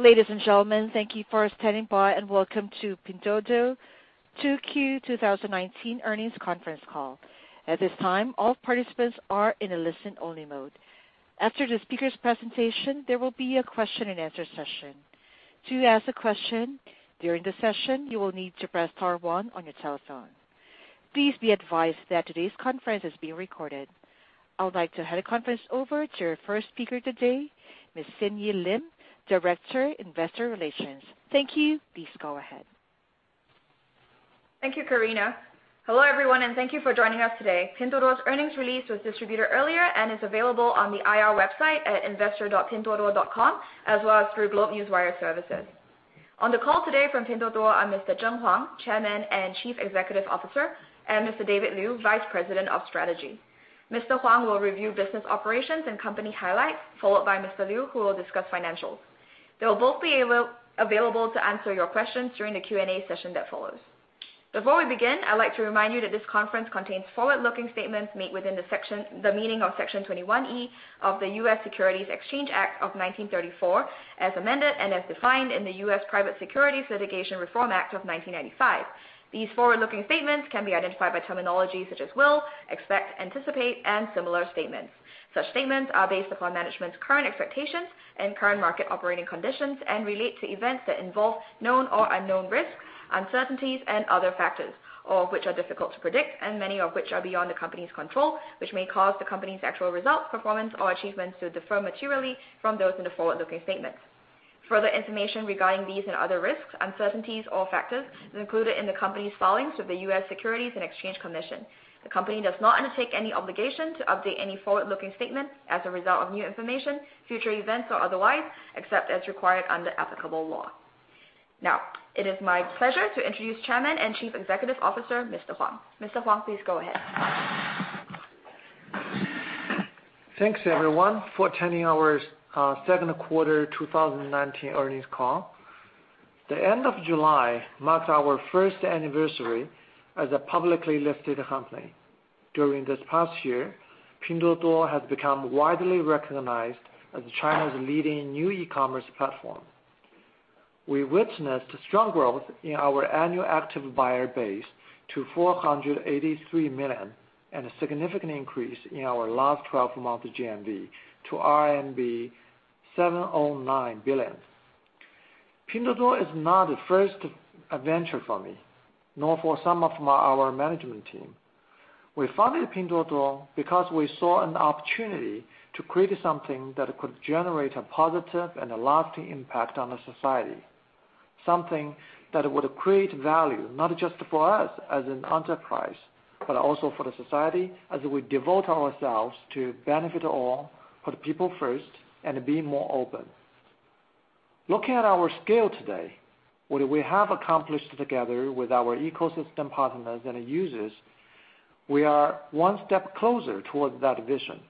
Ladies and gentlemen, thank you for standing by, and welcome to Pinduoduo 2Q 2019 earnings conference call. At this time, all participants are in a listen-only mode. After the speakers' presentation, there will be a question and answer session. To ask a question during the session, you will need to press star one on your telephone. Please be advised that today's conference is being recorded. I would like to hand the conference over to your first speaker today, Ms. Xin Yi Lim, Director, Investor Relations. Thank you. Please go ahead. Thank you, Karina. Hello, everyone, and thank you for joining us today. Pinduoduo's earnings release was distributed earlier and is available on the IR website at investor.pinduoduo.com, as well as through GlobeNewswire services. On the call today from Pinduoduo are Mr. Zheng Huang, Chairman and Chief Executive Officer, and Mr. David Liu, Vice President of Strategy. Mr. Huang will review business operations and company highlights, followed by Mr. Liu, who will discuss financials. They will both be available to answer your questions during the Q&A session that follows. Before we begin, I'd like to remind you that this conference contains forward-looking statements made within the meaning of Section 21E of the U.S. Securities Exchange Act of 1934, as amended and as defined in the U.S. Private Securities Litigation Reform Act of 1995. These forward-looking statements can be identified by terminology such as "will," "expect," "anticipate," and similar statements. Such statements are based upon management's current expectations and current market operating conditions and relate to events that involve known or unknown risks, uncertainties, and other factors, all of which are difficult to predict and many of which are beyond the company's control, which may cause the company's actual results, performance, or achievements to differ materially from those in the forward-looking statements. Further information regarding these and other risks, uncertainties, or factors is included in the company's filings with the U.S. Securities and Exchange Commission. The company does not undertake any obligation to update any forward-looking statement as a result of new information, future events, or otherwise, except as required under applicable law. Now, it is my pleasure to introduce Chairman and Chief Executive Officer, Mr. Huang. Mr. Huang, please go ahead. Thanks, everyone, for attending our 2Q 2019 earnings call. The end of July marks our first anniversary as a publicly listed company. During this past year, Pinduoduo has become widely recognized as China's leading new e-commerce platform. We witnessed strong growth in our annual active buyer base to 483 million, and a significant increase in our last 12-month GMV to RMB 709 billion. Pinduoduo is not a first adventure for me, nor for some of our management team. We founded Pinduoduo because we saw an opportunity to create something that could generate a positive and a lasting impact on the society, something that would create value, not just for us as an enterprise, but also for the society as we devote ourselves to benefit all, put people first, and be more open. Looking at our scale today, what we have accomplished together with our ecosystem partners and users, we are one step closer towards that vision.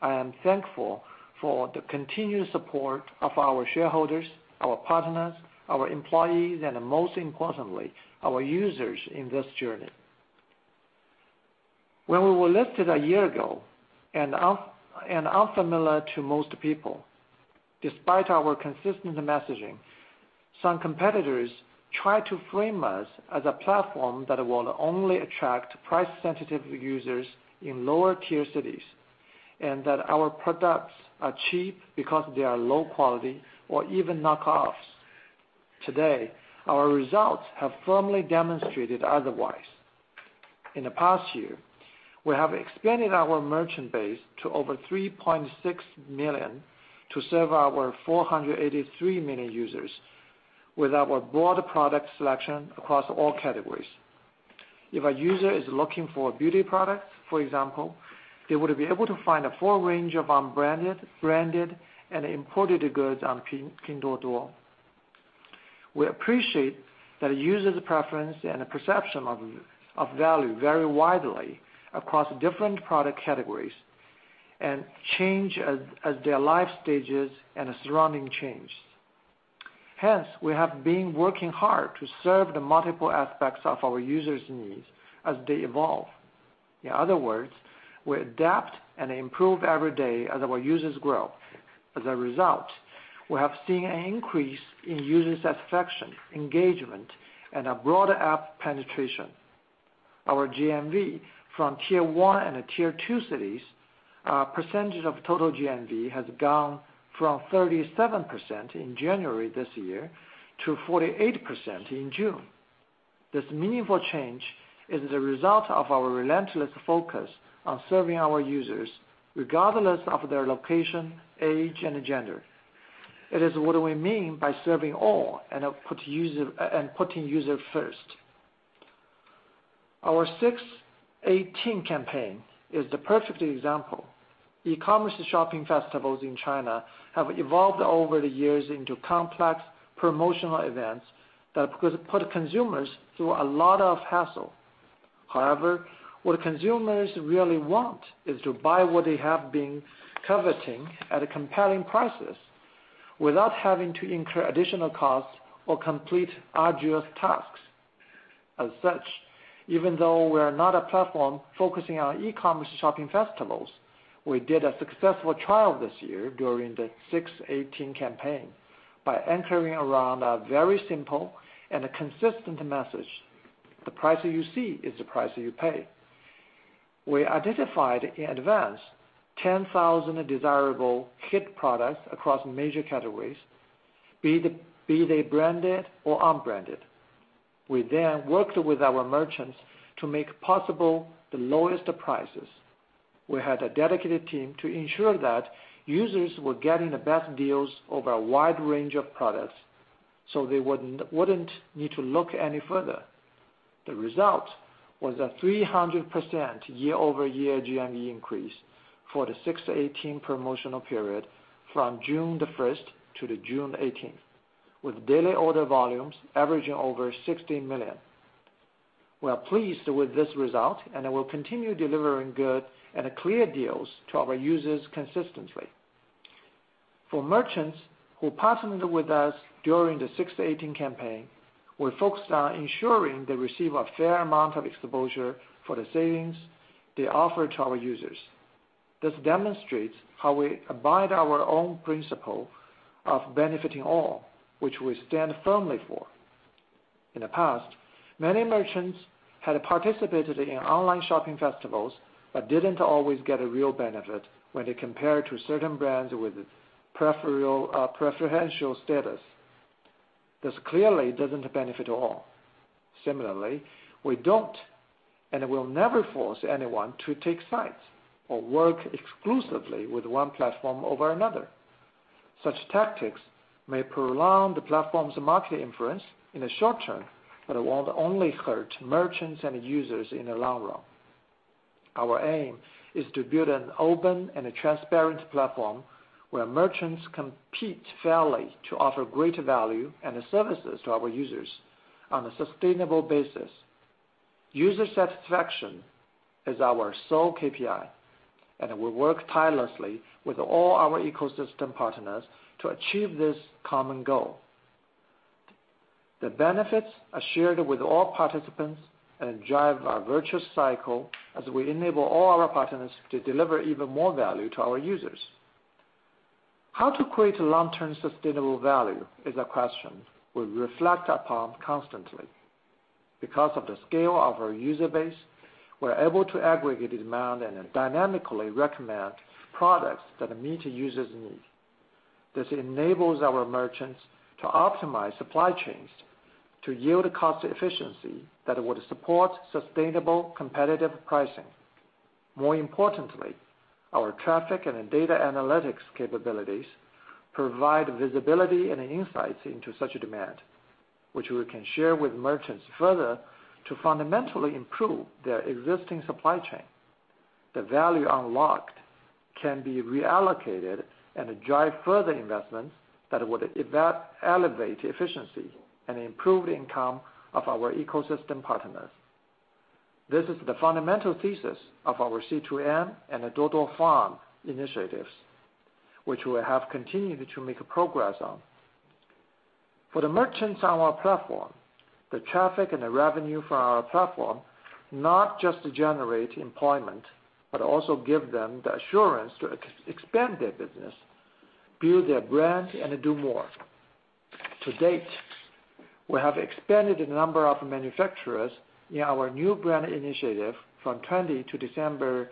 I am thankful for the continued support of our shareholders, our partners, our employees, and most importantly, our users in this journey. When we were listed a year ago, and unfamiliar to most people, despite our consistent messaging, some competitors tried to frame us as a platform that will only attract price-sensitive users in lower-tier cities, and that our products are cheap because they are low quality or even knockoffs. Today, our results have firmly demonstrated otherwise. In the past year, we have expanded our merchant base to over 3.6 million to serve our 483 million users with our broad product selection across all categories. If a user is looking for beauty products, for example, they would be able to find a full range of unbranded, branded, and imported goods on Pinduoduo. We appreciate that users' preference and perception of value vary widely across different product categories and change as their life stages and surrounding change. We have been working hard to serve the multiple aspects of our users' needs as they evolve. In other words, we adapt and improve every day as our users grow. We have seen an increase in user satisfaction, engagement, and a broad app penetration. Our GMV from Tier 1 and Tier 2 cities percentage of total GMV has gone from 37% in January this year to 48% in June. This meaningful change is the result of our relentless focus on serving our users, regardless of their location, age, and gender. It is what we mean by serving all and putting user first. Our 618 campaign is the perfect example. E-commerce shopping festivals in China have evolved over the years into complex promotional events that could put consumers through a lot of hassle. However, what consumers really want is to buy what they have been coveting at compelling prices without having to incur additional costs or complete arduous tasks. As such, even though we're not a platform focusing on e-commerce shopping festivals, we did a successful trial this year during the 618 campaign by anchoring around a very simple and a consistent message: the price you see is the price you pay. We identified in advance 10,000 desirable hit products across major categories, be they branded or unbranded. We worked with our merchants to make possible the lowest prices. We had a dedicated team to ensure that users were getting the best deals over a wide range of products, so they wouldn't need to look any further. The result was a 300% year-over-year GMV increase for the 618 promotional period from June 1st-June 18th, with daily order volumes averaging over 60 million. We are pleased with this result, and we'll continue delivering good and clear deals to our users consistently. For merchants who partnered with us during the 618 campaign, we're focused on ensuring they receive a fair amount of exposure for the savings they offer to our users. This demonstrates how we abide our own principle of benefiting all, which we stand firmly for. In the past, many merchants had participated in online shopping festivals but didn't always get a real benefit when they compare to certain brands with preferential status. This clearly doesn't benefit all. Similarly, we don't and will never force anyone to take sides or work exclusively with one platform over another. Such tactics may prolong the platform's market influence in the short term, but it will only hurt merchants and users in the long run. Our aim is to build an open and a transparent platform where merchants compete fairly to offer greater value and services to our users on a sustainable basis. User satisfaction is our sole KPI, and we work tirelessly with all our ecosystem partners to achieve this common goal. The benefits are shared with all participants and drive our virtuous cycle as we enable all our partners to deliver even more value to our users. How to create long-term sustainable value is a question we reflect upon constantly. Because of the scale of our user base, we're able to aggregate demand and dynamically recommend products that meet users' needs. This enables our merchants to optimize supply chains to yield cost efficiency that would support sustainable competitive pricing. More importantly, our traffic and data analytics capabilities provide visibility and insights into such demand, which we can share with merchants further to fundamentally improve their existing supply chain. The value unlocked can be reallocated and drive further investments that would elevate efficiency and improve income of our ecosystem partners. This is the fundamental thesis of our C2M and Duo Duo Farm initiatives, which we have continued to make progress on. For the merchants on our platform, the traffic and the revenue from our platform not just generate employment, but also give them the assurance to expand their business, build their brand, and do more. To date, we have expanded the number of manufacturers in our New Brand Initiative from 20 in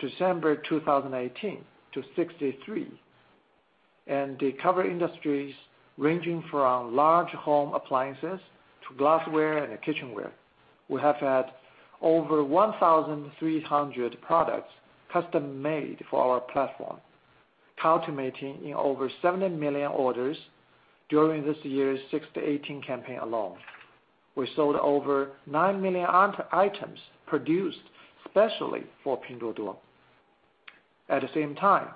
December 2018 to 63, and they cover industries ranging from large home appliances to glassware and kitchenware. We have had over 1,300 products custom-made for our platform, culminating in over 70 million orders during this year's 618 campaign alone. We sold over nine million items produced especially for Pinduoduo. At the same time,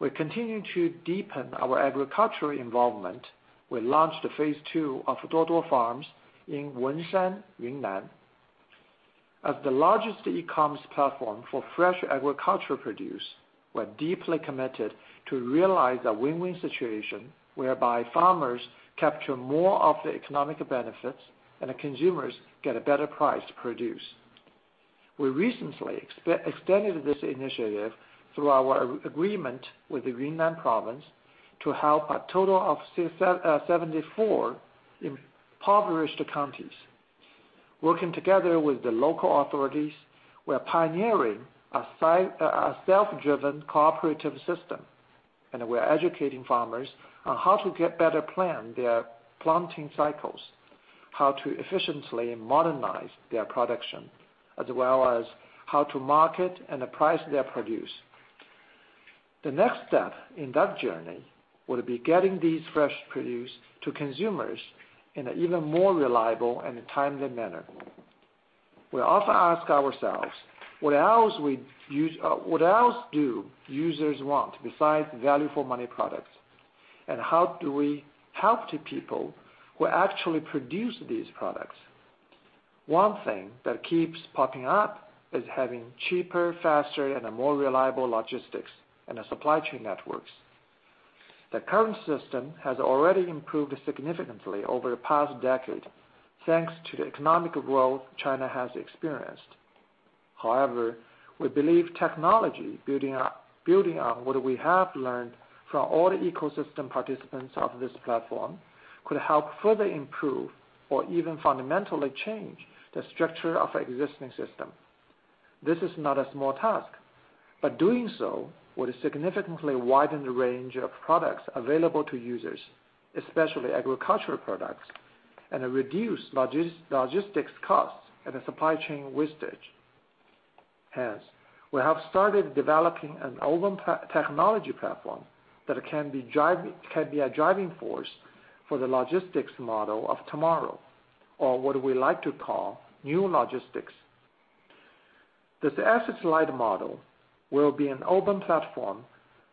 we continue to deepen our agricultural involvement. We launched phase II of Duo Duo Farms in Wenshan, Yunnan. As the largest e-commerce platform for fresh agricultural produce, we're deeply committed to realize a win-win situation whereby farmers capture more of the economic benefits and the consumers get a better price to produce. We recently extended this initiative through our agreement with the Yunnan Province to help a total of 74 impoverished counties. Working together with the local authorities, we are pioneering a self-driven cooperative system, and we are educating farmers on how to get better plan their planting cycles, how to efficiently modernize their production, as well as how to market and price their produce. The next step in that journey would be getting these fresh produce to consumers in an even more reliable and timely manner. We often ask ourselves, what else do users want besides value-for-money products, and how do we help the people who actually produce these products? One thing that keeps popping up is having cheaper, faster, and a more reliable logistics and supply chain networks. The current system has already improved significantly over the past decade, thanks to the economic growth China has experienced. However, we believe technology, building on what we have learned from all the ecosystem participants of this platform, could help further improve or even fundamentally change the structure of existing system. This is not a small task. Doing so would significantly widen the range of products available to users, especially agricultural products, and reduce logistics costs and the supply chain wastage. We have started developing an open technology platform that can be a driving force for the logistics model of tomorrow, or what we like to call new logistics. This asset-light model will be an open platform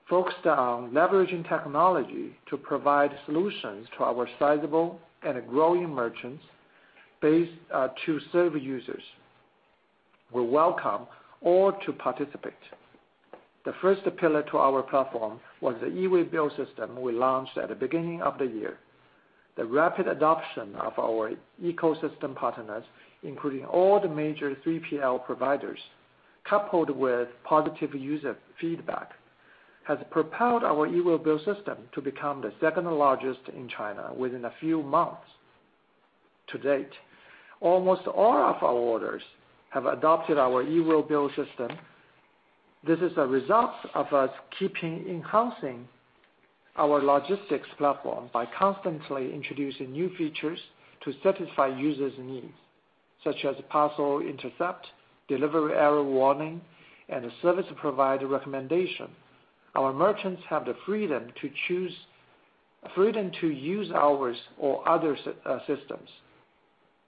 focused on leveraging technology to provide solutions to our sizable and growing merchants based to serve users. We welcome all to participate. The first pillar to our platform was the e-waybill system we launched at the beginning of the year. The rapid adoption of our ecosystem partners, including all the major 3PL providers, coupled with positive user feedback, has propelled our e-waybill system to become the second-largest in China within a few months. To date, almost all of our orders have adopted our e-waybill system. This is a result of us keeping enhancing our logistics platform by constantly introducing new features to satisfy users' needs, such as parcel intercept, delivery error warning, and a service provider recommendation. Our merchants have the freedom to use ours or other systems.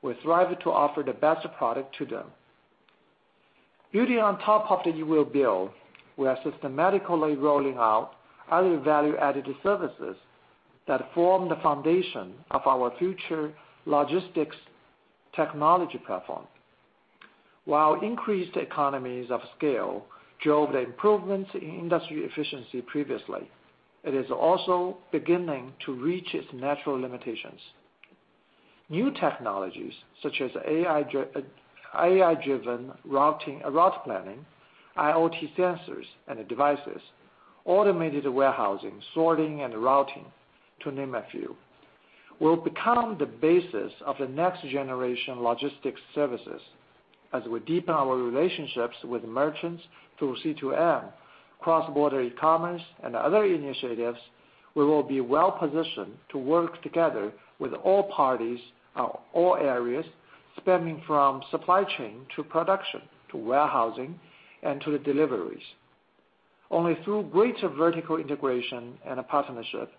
We thrive to offer the best product to them. Building on top of the e-waybill, we are systematically rolling out other value-added services that form the foundation of our future logistics technology platform. While increased economies of scale drove the improvements in industry efficiency previously, it is also beginning to reach its natural limitations. New technologies such as AI-driven routing, route planning, IoT sensors and devices, automated warehousing, sorting, and routing, to name a few, will become the basis of the next generation logistics services. As we deepen our relationships with merchants through C2M, cross-border e-commerce, and other initiatives, we will be well-positioned to work together with all parties, all areas spanning from supply chain to production, to warehousing, and to the deliveries. Only through greater vertical integration and a partnership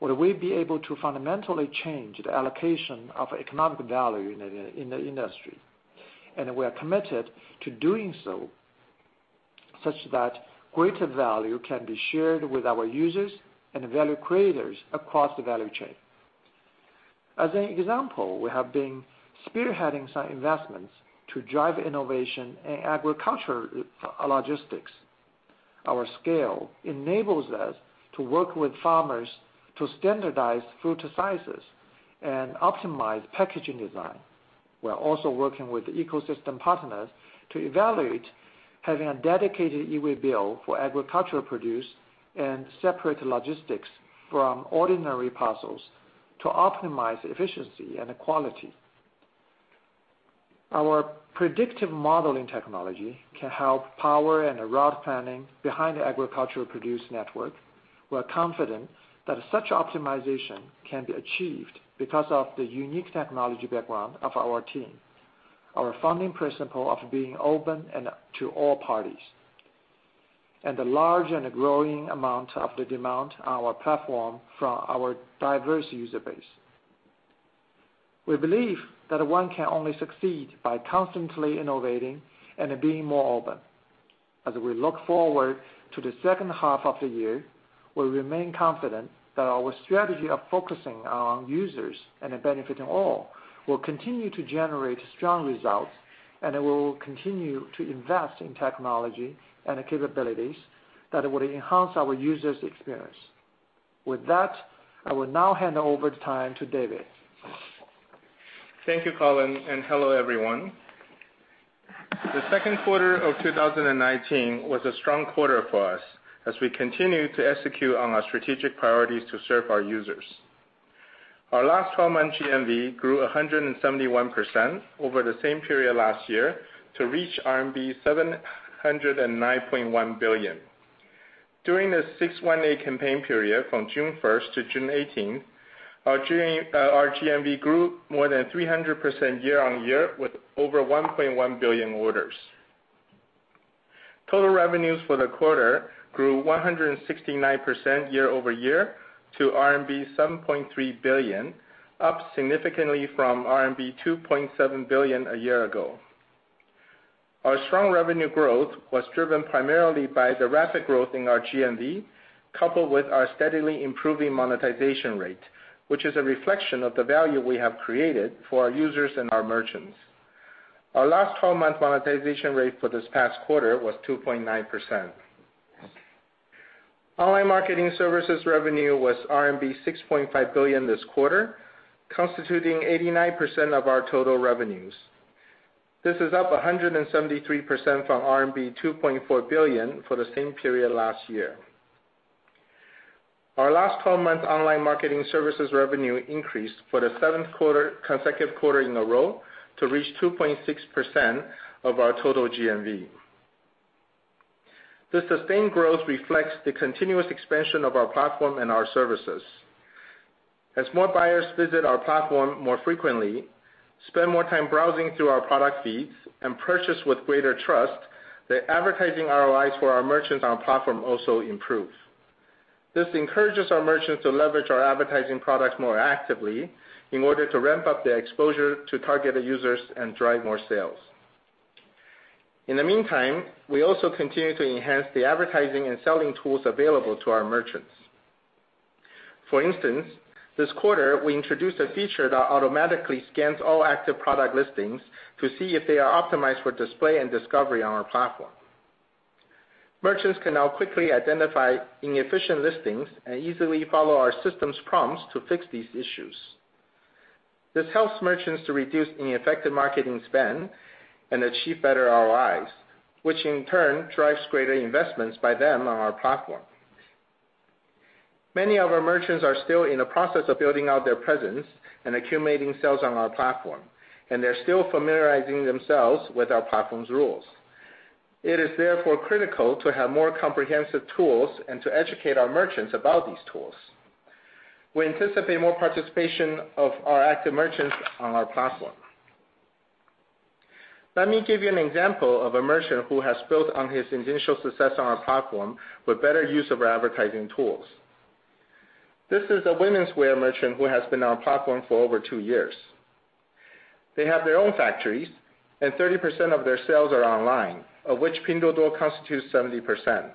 will we be able to fundamentally change the allocation of economic value in the industry. We are committed to doing so, such that greater value can be shared with our users and value creators across the value chain. As an example, we have been spearheading some investments to drive innovation in agriculture logistics. Our scale enables us to work with farmers to standardize fruit sizes and optimize packaging design. We're also working with ecosystem partners to evaluate having a dedicated e-waybill for agricultural produce and separate logistics from ordinary parcels to optimize efficiency and quality. Our predictive modeling technology can help power and route planning behind the agricultural produce network. We're confident that such optimization can be achieved because of the unique technology background of our team, our founding principle of being open and to all parties, and the large and growing amount of the demand on our platform from our diverse user base. We believe that one can only succeed by constantly innovating and being more open. As we look forward to the second half of the year, we remain confident that our strategy of focusing on users and benefiting all will continue to generate strong results. We will continue to invest in technology and the capabilities that will enhance our users' experience. With that, I will now hand over the time to David. Thank you, Colin, and hello, everyone. The second quarter of 2019 was a strong quarter for us as we continue to execute on our strategic priorities to serve our users. Our last 12-month GMV grew 171% over the same period last year to reach RMB 709.1 billion. During the 618 campaign period from June 1st-June 18th, our GMV grew more than 300% year-on-year with over 1.1 billion orders. Total revenues for the quarter grew 169% year-over-year to RMB 7.3 billion, up significantly from RMB 2.7 billion a year ago. Our strong revenue growth was driven primarily by the rapid growth in our GMV, coupled with our steadily improving monetization rate, which is a reflection of the value we have created for our users and our merchants. Our last 12-month monetization rate for this past quarter was 2.9%. Online marketing services revenue was RMB 6.5 billion this quarter, constituting 89% of our total revenues. This is up 173% from RMB 2.4 billion for the same period last year. Our last 12-month online marketing services revenue increased for the seventh consecutive quarter in a row to reach 2.6% of our total GMV. This sustained growth reflects the continuous expansion of our platform and our services. As more buyers visit our platform more frequently, spend more time browsing through our product feeds, and purchase with greater trust, the advertising ROIs for our merchants on our platform also improve. This encourages our merchants to leverage our advertising products more actively in order to ramp up their exposure to targeted users and drive more sales. In the meantime, we also continue to enhance the advertising and selling tools available to our merchants. For instance, this quarter, we introduced a feature that automatically scans all active product listings to see if they are optimized for display and discovery on our platform. Merchants can now quickly identify inefficient listings and easily follow our system's prompts to fix these issues. This helps merchants to reduce ineffective marketing spend and achieve better ROIs, which in turn drives greater investments by them on our platform. Many of our merchants are still in the process of building out their presence and accumulating sales on our platform, and they're still familiarizing themselves with our platform's rules. It is therefore critical to have more comprehensive tools and to educate our merchants about these tools. We anticipate more participation of our active merchants on our platform. Let me give you an example of a merchant who has built on his initial success on our platform with better use of our advertising tools. This is a womenswear merchant who has been on our platform for over two years. They have their own factories, and 30% of their sales are online, of which Pinduoduo constitutes 70%.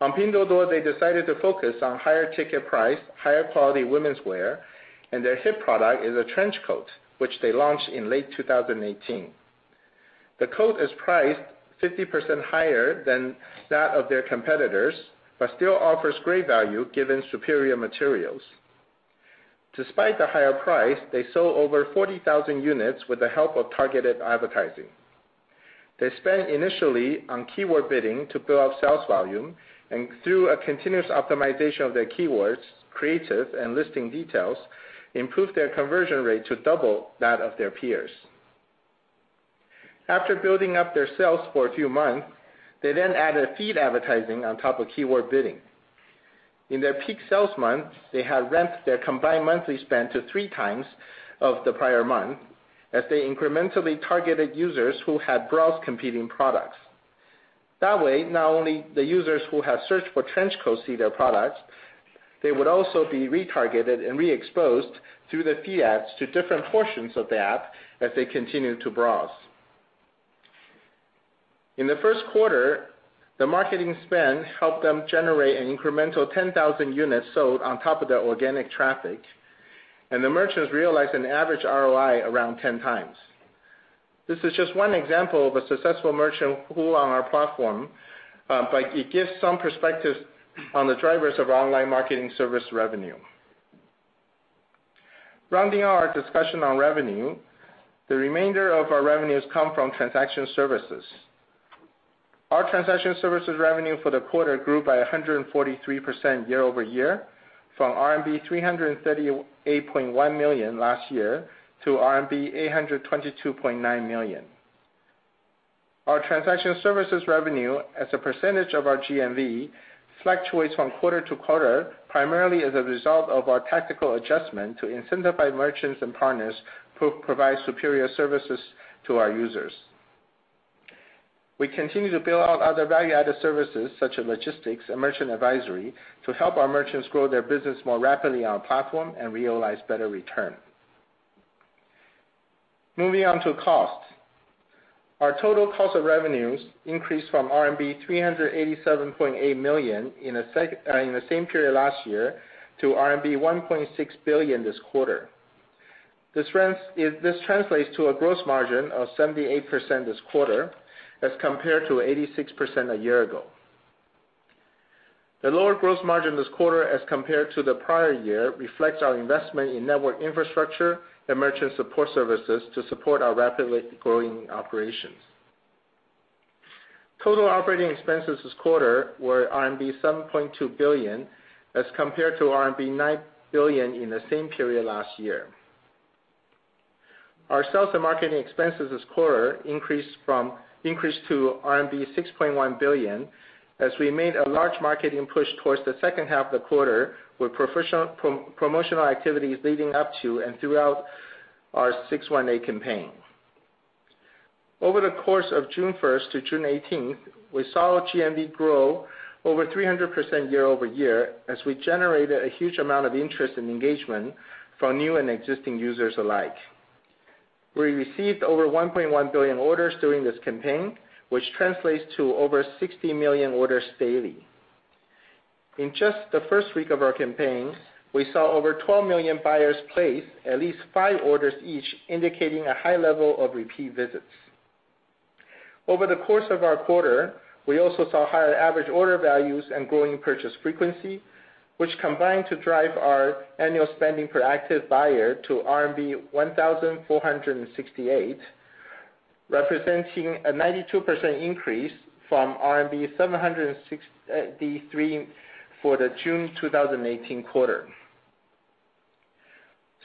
On Pinduoduo, they decided to focus on higher ticket price, higher quality womenswear, and their hit product is a trench coat, which they launched in late 2018. The coat is priced 50% higher than that of their competitors, but still offers great value given superior materials. Despite the higher price, they sold over 40,000 units with the help of targeted advertising. They spent initially on keyword bidding to build up sales volume, and through a continuous optimization of their keywords, creative, and listing details, improved their conversion rate to double that of their peers. After building up their sales for a few months, they then added feed advertising on top of keyword bidding. In their peak sales month, they had ramped their combined monthly spend to three times of the prior month as they incrementally targeted users who had browsed competing products. That way, not only the users who have searched for trench coats see their products, they would also be retargeted and re-exposed through the feed ads to different portions of the app as they continue to browse. In the first quarter, the marketing spend helped them generate an incremental 10,000 units sold on top of their organic traffic, and the merchants realized an average ROI around 10x. This is just one example of a successful merchant on our platform, but it gives some perspective on the drivers of our online marketing service revenue. Rounding out our discussion on revenue, the remainder of our revenues come from transaction services. Our transaction services revenue for the quarter grew by 143% year-over-year from RMB 338.1 million last year to RMB 822.9 million. Our transaction services revenue as a percentage of our GMV fluctuates from quarter to quarter, primarily as a result of our tactical adjustment to incentivize merchants and partners who provide superior services to our users. We continue to build out other value-added services such as logistics and merchant advisory to help our merchants grow their business more rapidly on our platform and realize better return. Moving on to cost. Our total cost of revenues increased from RMB 387.8 million in the same period last year to RMB 1.6 billion this quarter. This translates to a gross margin of 78% this quarter as compared to 86% a year ago. The lower gross margin this quarter as compared to the prior year reflects our investment in network infrastructure and merchant support services to support our rapidly growing operations. Total operating expenses this quarter were RMB 7.2 billion as compared to RMB 9 billion in the same period last year. Our sales and marketing expenses this quarter increased to RMB 6.1 billion as we made a large marketing push towards the second half of the quarter with promotional activities leading up to and throughout our 618 campaign. Over the course of June 1st-June 18th, we saw GMV grow over 300% year-over-year as we generated a huge amount of interest and engagement from new and existing users alike. We received over 1.1 billion orders during this campaign, which translates to over 60 million orders daily. In just the first week of our campaigns, we saw over 12 million buyers place at least five orders each, indicating a high level of repeat visits. Over the course of our quarter, we also saw higher average order values and growing purchase frequency, which combined to drive our annual spending per active buyer to RMB 1,468, representing a 92% increase from RMB 763 for the June 2018 quarter.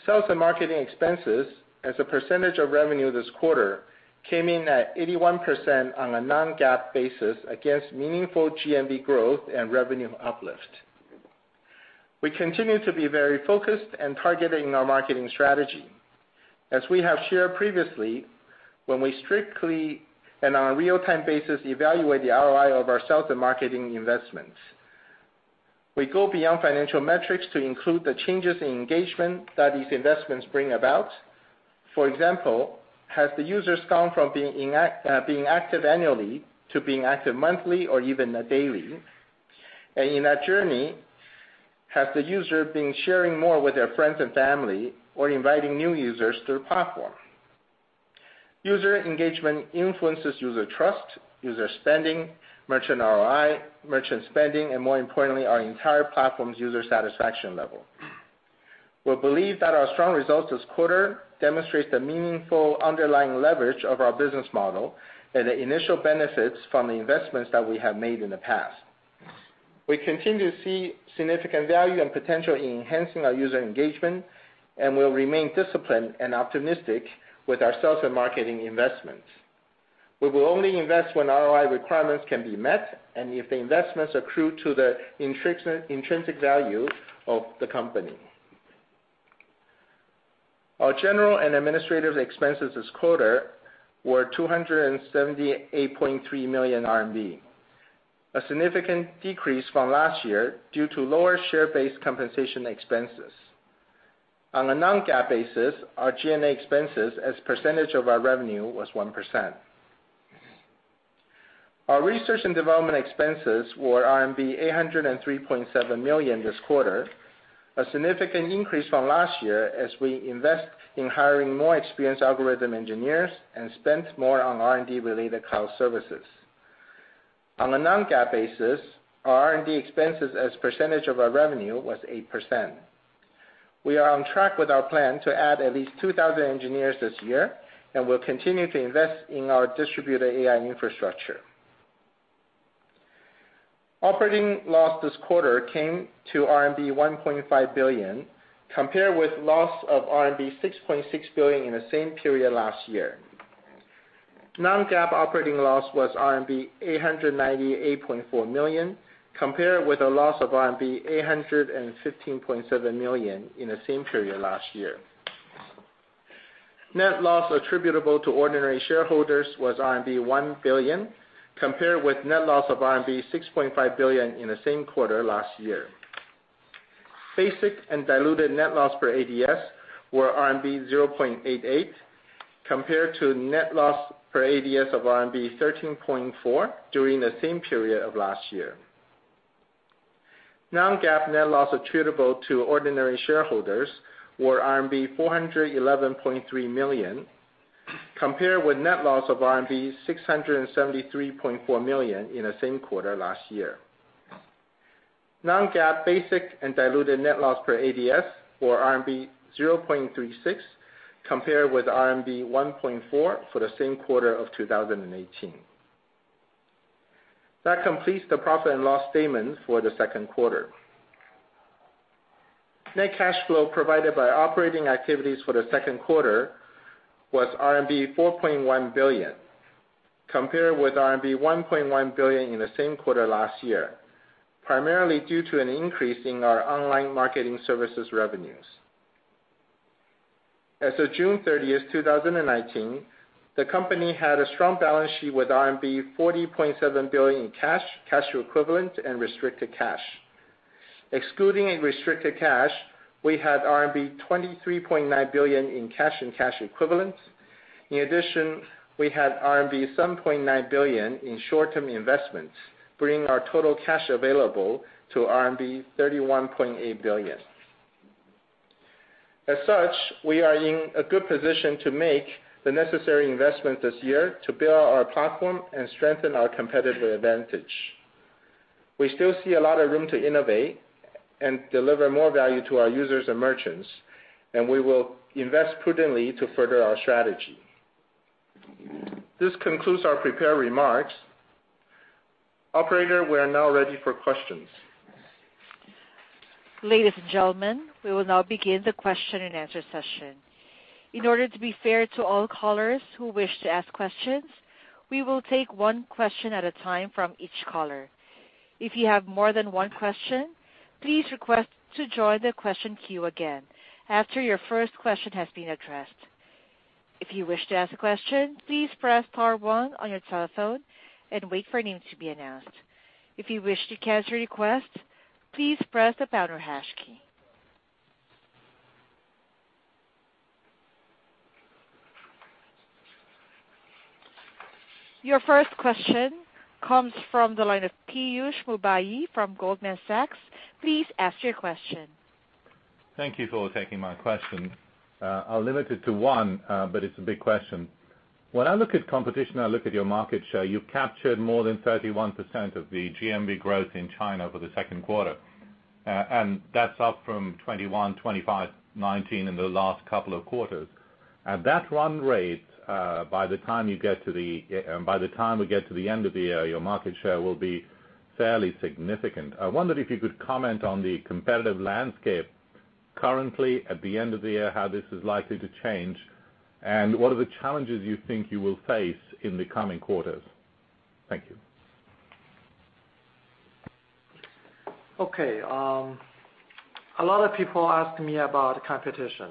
Sales and marketing expenses as a percentage of revenue this quarter came in at 81% on a non-GAAP basis against meaningful GMV growth and revenue uplift. We continue to be very focused in targeting our marketing strategy. As we have shared previously, when we strictly and on a real-time basis evaluate the ROI of our sales and marketing investments, we go beyond financial metrics to include the changes in engagement that these investments bring about. For example, have the users gone from being active annually to being active monthly or even daily? In that journey, have the user been sharing more with their friends and family or inviting new users to the platform? User engagement influences user trust, user spending, merchant ROI, merchant spending, and more importantly, our entire platform's user satisfaction level. We believe that our strong results this quarter demonstrates the meaningful underlying leverage of our business model and the initial benefits from the investments that we have made in the past. We continue to see significant value and potential in enhancing our user engagement, and we'll remain disciplined and optimistic with our sales and marketing investments. We will only invest when ROI requirements can be met and if the investments accrue to the intrinsic value of the company. Our general and administrative expenses this quarter were 278.3 million RMB, a significant decrease from last year due to lower share-based compensation expenses. On a non-GAAP basis, our G&A expenses as a percentage of our revenue was 1%. Our research and development expenses were RMB 803.7 million this quarter, a significant increase from last year as we invest in hiring more experienced algorithm engineers and spent more on R&D related cloud services. On a non-GAAP basis, our R&D expenses as a percentage of our revenue was 8%. We are on track with our plan to add at least 2,000 engineers this year, and we'll continue to invest in our distributed AI infrastructure. Operating loss this quarter came to RMB 1.5 billion, compared with loss of RMB 6.6 billion in the same period last year. Non-GAAP operating loss was RMB 898.4 million, compared with a loss of RMB 815.7 million in the same period last year. Net loss attributable to ordinary shareholders was RMB 1 billion, compared with net loss of RMB 6.5 billion in the same quarter last year. Basic and diluted net loss per ADS were RMB 0.88, compared to net loss per ADS of RMB 13.4 during the same period of last year. Non-GAAP net loss attributable to ordinary shareholders were RMB 411.3 million, compared with net loss of RMB 673.4 million in the same quarter last year. Non-GAAP basic and diluted net loss per ADS were RMB 0.36, compared with RMB 1.4 for the same quarter of 2018. That completes the profit and loss statement for the second quarter. Net cash flow provided by operating activities for the second quarter was RMB 4.1 billion, compared with RMB 1.1 billion in the same quarter last year, primarily due to an increase in our online marketing services revenues. As of June 30th, 2019, the company had a strong balance sheet with RMB 40.7 billion in cash equivalents, and restricted cash. Excluding restricted cash, we had RMB 23.9 billion in cash and cash equivalents. In addition, we had RMB 7.9 billion in short-term investments, bringing our total cash available to RMB 31.8 billion. As such, we are in a good position to make the necessary investment this year to build our platform and strengthen our competitive advantage. We still see a lot of room to innovate and deliver more value to our users and merchants, and we will invest prudently to further our strategy. This concludes our prepared remarks. Operator, we are now ready for questions. Ladies and gentlemen, we will now begin the question-and-answer session. In order to be fair to all callers who wish to ask questions, we will take one question at a time from each caller. If you have more than one question, please request to join the question queue again after your first question has been addressed. If you wish to ask a question, please press star one on your telephone and wait for your name to be announced. If you wish to cancel your request, please press the pound or hash key. Your first question comes from the line of Piyush Mubayi from Goldman Sachs. Please ask your question. Thank you for taking my question. I'll limit it to one, but it's a big question. When I look at competition, I look at your market share. You've captured more than 31% of the GMV growth in China for the second quarter. That's up from 21, 25, 19 in the last couple of quarters. At that run rate, by the time we get to the end of the year, your market share will be fairly significant. I wonder if you could comment on the competitive landscape currently at the end of the year, how this is likely to change, and what are the challenges you think you will face in the coming quarters? Thank you. Okay. A lot of people ask me about competition.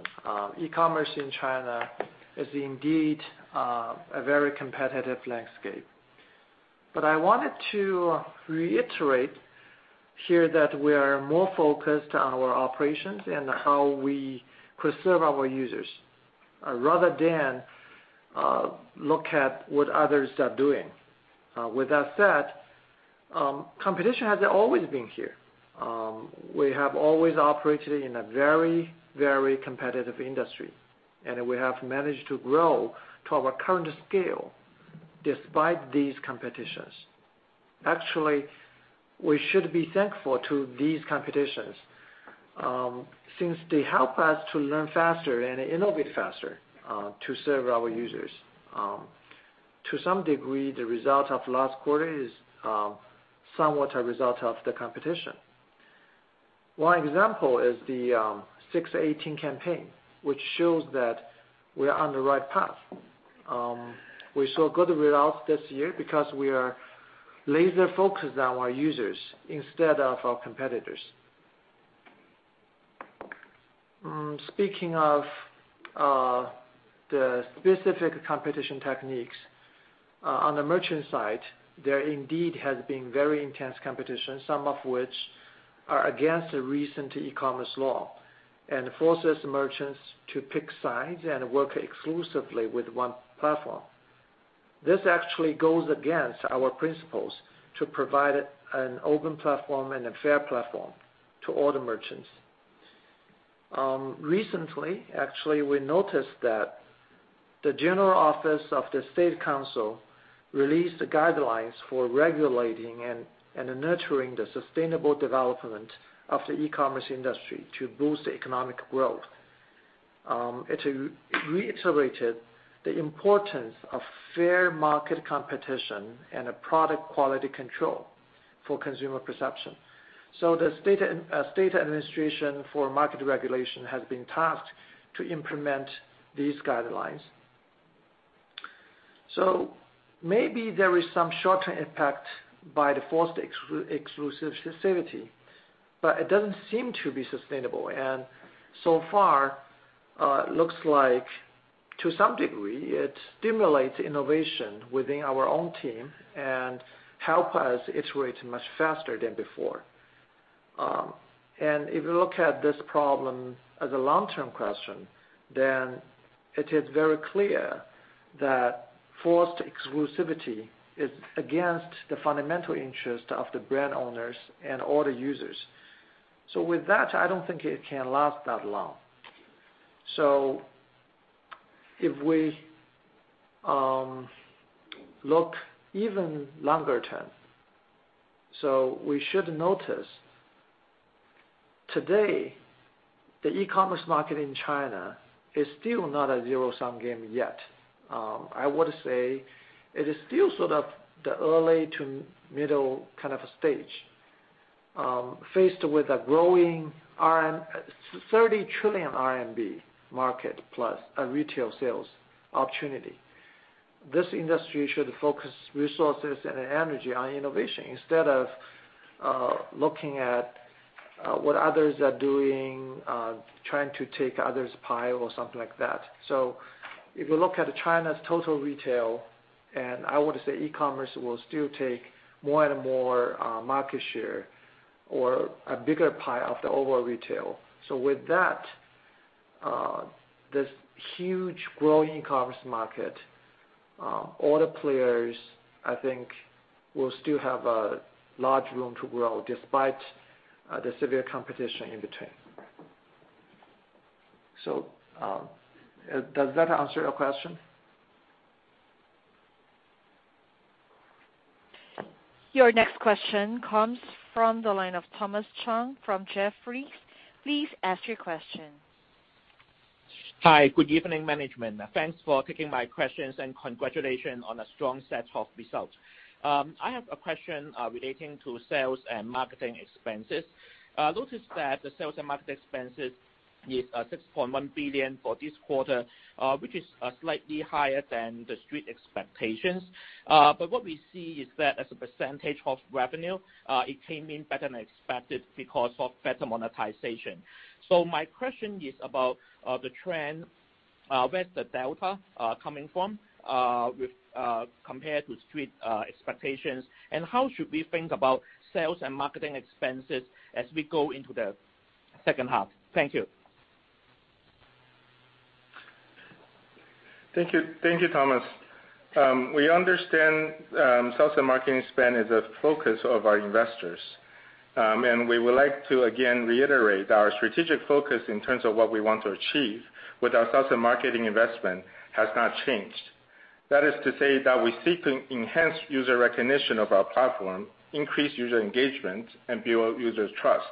E-commerce in China is indeed a very competitive landscape. I wanted to reiterate here that we are more focused on our operations and how we could serve our users rather than look at what others are doing. With that said, competition has always been here. We have always operated in a very, very competitive industry, and we have managed to grow to our current scale despite these competitions. Actually, we should be thankful to these competitions, since they help us to learn faster and innovate faster to serve our users. To some degree, the result of last quarter is somewhat a result of the competition. One example is the 618 campaign, which shows that we are on the right path. We saw good results this year because we are laser-focused on our users instead of our competitors. Speaking of the specific competition techniques, on the merchant side, there indeed has been very intense competition, some of which are against the recent e-commerce law, and forces the merchants to pick sides and work exclusively with one platform. This actually goes against our principles to provide an open platform and a fair platform to all the merchants. Recently, actually, we noticed that the General Office of the State Council released guidelines for regulating and nurturing the sustainable development of the e-commerce industry to boost economic growth. It reiterated the importance of fair market competition and a product quality control for consumer perception. The State Administration for Market Regulation has been tasked to implement these guidelines. Maybe there is some short-term impact by the forced exclusivity, but it doesn't seem to be sustainable. So far, looks like to some degree it stimulates innovation within our own team and help us iterate much faster than before. If you look at this problem as a long-term question, then it is very clear that forced exclusivity is against the fundamental interest of the brand owners and all the users. With that, I don't think it can last that long. If we, look even longer term, so we should notice today the e-commerce market in China is still not a zero-sum game yet. I would say it is still sort of the early to middle kind of stage, faced with a growing 30 trillion RMB market plus a retail sales opportunity. This industry should focus resources and energy on innovation instead of looking at what others are doing, trying to take others' pie or something like that. If you look at China's total retail, and I would say e-commerce will still take more and more market share or a bigger pie of the overall retail. With that, this huge growing e-commerce market, all the players I think will still have a large room to grow despite the severe competition in between. Does that answer your question? Your next question comes from the line of Thomas Chong from Jefferies. Please ask your question. Hi. Good evening, management. Thanks for taking my questions and congratulations on a strong set of results. I have a question relating to sales and marketing expenses. Notice that the sales and marketing expenses is 6.1 billion for this quarter, which is slightly higher than the street expectations. What we see is that as a percentage of revenue, it came in better than expected because of better monetization. My question is about the trend, where's the delta coming from, with compared to street expectations, and how should we think about sales and marketing expenses as we go into the second half? Thank you. Thank you. Thank you, Thomas. We understand sales and marketing spend is a focus of our investors. We would like to again reiterate our strategic focus in terms of what we want to achieve with our sales and marketing investment has not changed. That is to say that we seek to enhance user recognition of our platform, increase user engagement, and build users' trust.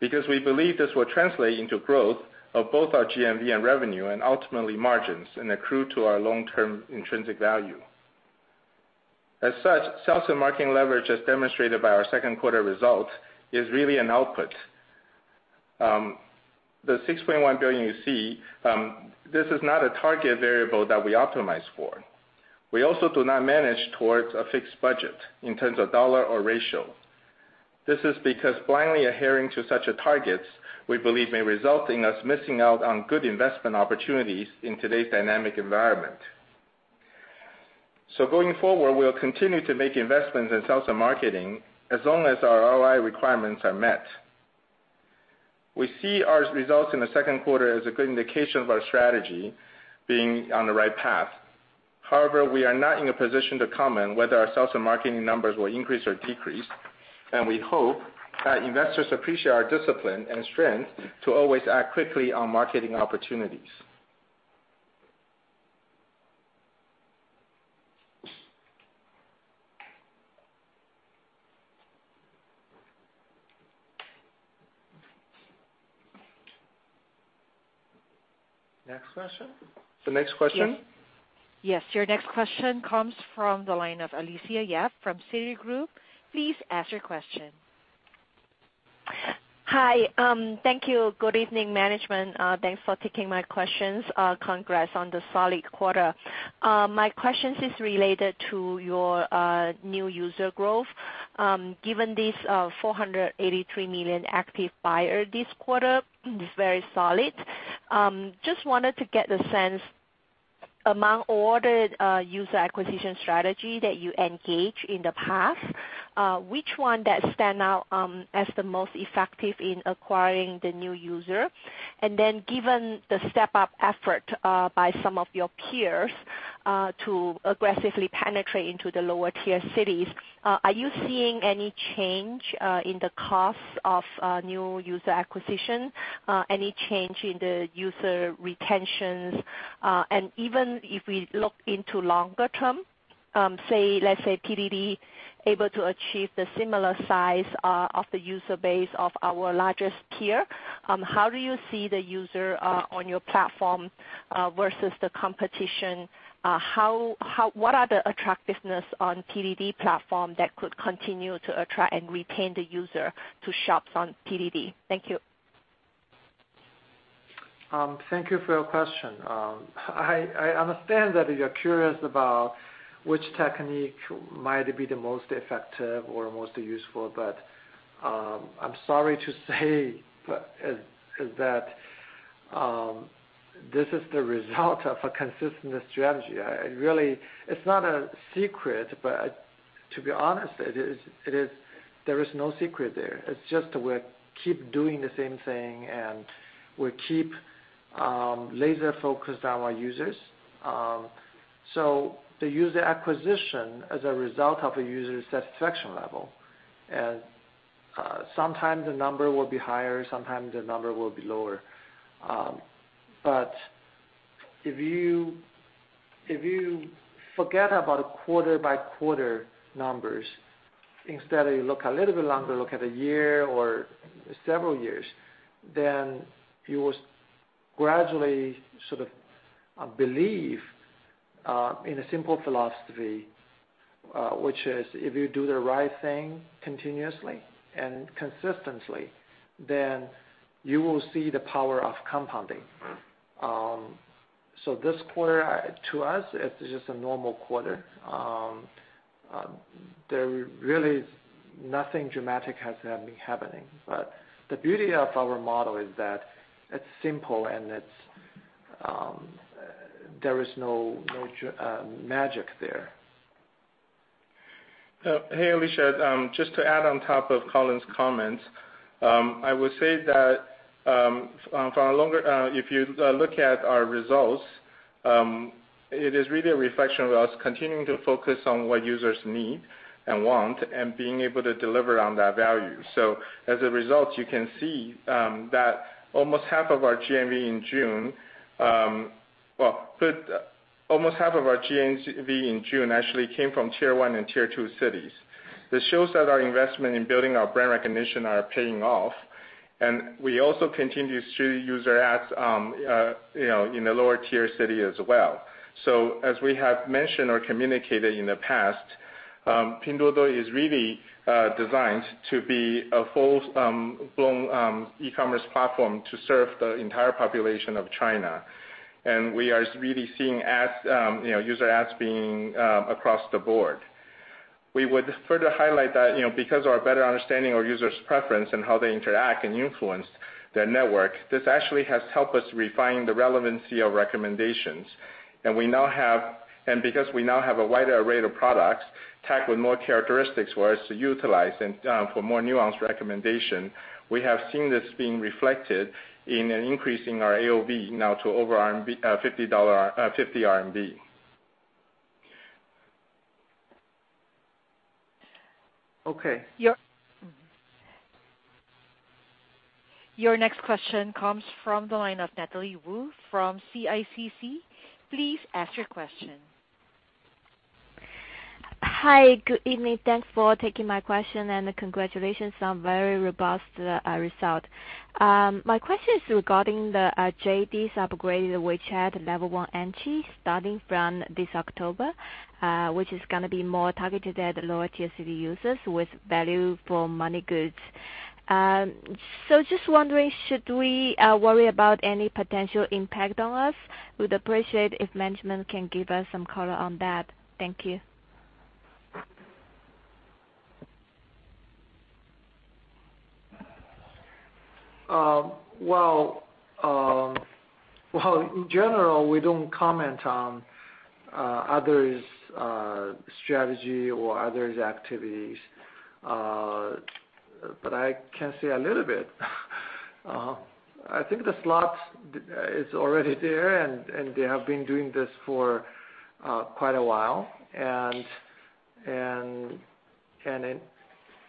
We believe this will translate into growth of both our GMV and revenue, and ultimately margins and accrue to our long-term intrinsic value. As such, sales and marketing leverage, as demonstrated by our second quarter results, is really an output. The 6.1 billion you see, this is not a target variable that we optimize for. We also do not manage towards a fixed budget in terms of dollar or ratio. This is because blindly adhering to such targets, we believe may result in us missing out on good investment opportunities in today's dynamic environment. Going forward, we'll continue to make investments in sales and marketing as long as our ROI requirements are met. We see our results in the second quarter as a good indication of our strategy being on the right path. However, we are not in a position to comment whether our sales and marketing numbers will increase or decrease, and we hope that investors appreciate our discipline and strength to always act quickly on marketing opportunities. Next question. The next question. Yes. Your next question comes from the line of Alicia Yap from Citigroup. Please ask your question. Hi. Thank you. Good evening, management. Thanks for taking my questions. Congrats on the solid quarter. My questions is related to your new user growth. Given this 483 million active buyer this quarter is very solid. Just wanted to get the sense among all the user acquisition strategy that you engaged in the past, which one that stand out as the most effective in acquiring the new user? Given the step-up effort by some of your peers to aggressively penetrate into the lower tier cities, are you seeing any change in the cost of new user acquisition? Any change in the user retentions? Even if we look into longer term, say let's say, PDD able to achieve the similar size of the user base of our largest peer, how do you see the user on your platform versus the competition? How what are the attractiveness on PDD platform that could continue to attract and retain the user to shops on PDD? Thank you. Thank you for your question. I understand that you're curious about which technique might be the most effective or most useful, but I'm sorry to say, this is the result of a consistent strategy. It's not a secret, but to be honest, it is, there is no secret there. It's just we keep doing the same thing, and we keep laser focused on our users. The user acquisition as a result of a user satisfaction level, and sometimes the number will be higher, sometimes the number will be lower. If you forget about quarter by quarter numbers, instead you look a little bit longer, look at a year or several years, then you will gradually sort of believe in a simple philosophy, which is if you do the right thing continuously and consistently, then you will see the power of compounding. This quarter, to us it's just a normal quarter. There really nothing dramatic has been happening. The beauty of our model is that it's simple and it's there is no magic there. Hey, Alicia. Just to add on top of Colin's comments, I would say that for a longer, if you look at our results, it is really a reflection of us continuing to focus on what users need and want and being able to deliver on that value. As a result, you can see that almost half of our GMV in June actually came from Tier 1 and Tier 2 cities. This shows that our investment in building our brand recognition are paying off, and we also continue to see user adds, you know, in the lower tier city as well. As we have mentioned or communicated in the past, Pinduoduo is really designed to be a full-blown e-commerce platform to serve the entire population of China. We are really seeing adds, you know, user adds being across the board. We would further highlight that, you know, because our better understanding of our users preference and how they interact and influence the network, this actually has helped us refine the relevancy of recommendations. Because we now have a wider array of products tagged with more characteristics for us to utilize and for more nuanced recommendation, we have seen this being reflected in an increase in our AOV now to over RMB 50. Your next question comes from the line of Natalie Wu from CICC. Please ask your question. Hi, good evening. Thanks for taking my question, congratulations on very robust result. My question is regarding the JD's upgraded WeChat level one entry starting from this October, which is gonna be more targeted at lower tier city users with value for money goods. Just wondering, should we worry about any potential impact on us? Would appreciate if management can give us some color on that. Thank you. Well, well, in general, we don't comment on others' strategy or others' activities. I can say a little bit. I think the slogan is already there, and they have been doing this for quite a while.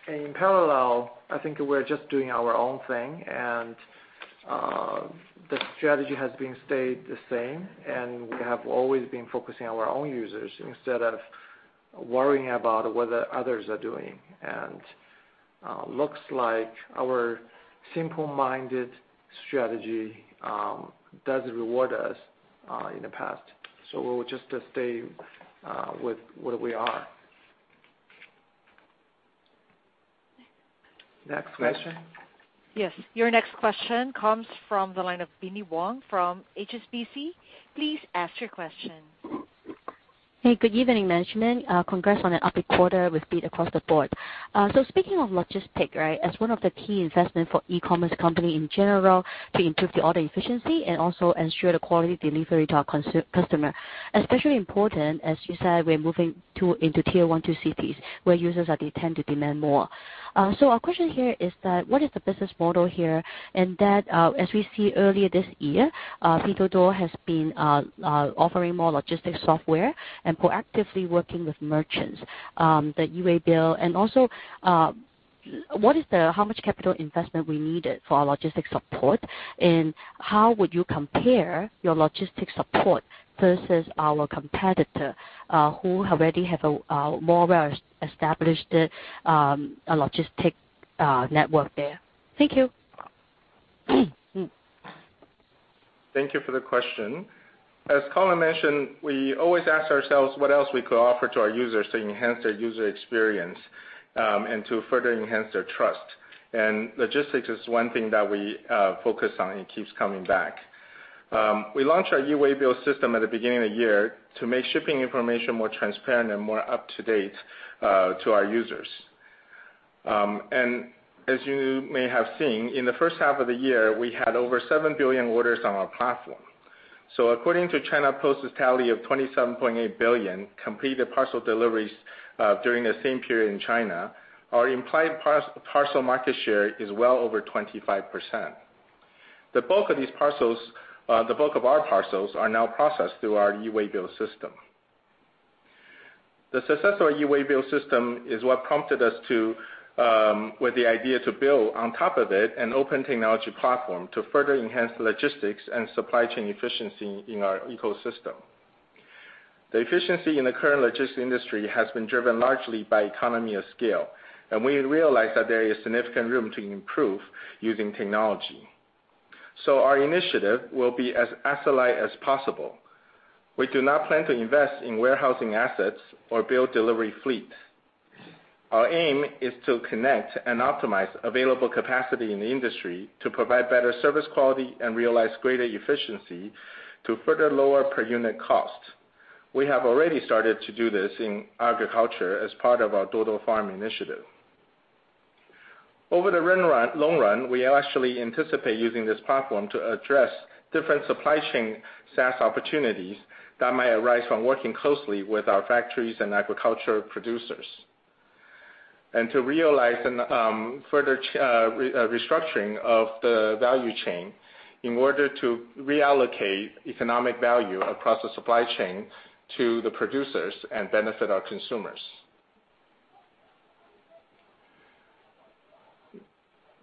In parallel, I think we're just doing our own thing and the strategy has been stayed the same, and we have always been focusing on our own users instead of worrying about what the others are doing. Looks like our simple-minded strategy does reward us in the past. We'll just stay with where we are. Next question. Yes. Your next question comes from the line of Binnie Wong from HSBC. Please ask your question. Hey, good evening, management. Congrats on an epic quarter with speed across the board. Speaking of logistics, right? As one of the key investment for e-commerce company in general to improve the order efficiency and also ensure the quality delivery to our customer, especially important, as you said, we're moving into Tier 1, 2 cities, where users tend to demand more. Our question here is that, what is the business model here? That, as we see earlier this year, Pinduoduo has been offering more logistics software and proactively working with merchants, the e-waybill. Also, how much capital investment we needed for our logistics support? How would you compare your logistics support versus our competitor, who already have a more well-established logistics network there? Thank you. Thank you for the question. As Colin mentioned, we always ask ourselves what else we could offer to our users to enhance their user experience, and to further enhance their trust. Logistics is one thing that we focus on, it keeps coming back. We launched our e-waybill system at the beginning of the year to make shipping information more transparent and more up-to-date to our users. As you may have seen, in the first half of the year, we had over seven billion orders on our platform. According to China Post's tally of 27.8 billion completed parcel deliveries, during the same period in China, our implied parcel market share is well over 25%. The bulk of our parcels are now processed through our e-waybill system. The success of our e-waybill system is what prompted us to with the idea to build on top of it an open technology platform to further enhance logistics and supply chain efficiency in our ecosystem. The efficiency in the current logistics industry has been driven largely by economy of scale, and we realize that there is significant room to improve using technology. Our initiative will be as asset light as possible. We do not plan to invest in warehousing assets or build delivery fleet. Our aim is to connect and optimize available capacity in the industry to provide better service quality and realize greater efficiency to further lower per unit cost. We have already started to do this in agriculture as part of our Duo Duo Farm initiative. Over the long run, we actually anticipate using this platform to address different supply chain SaaS opportunities that might arise from working closely with our factories and agriculture producers. To realize a further restructuring of the value chain in order to reallocate economic value across the supply chain to the producers and benefit our consumers.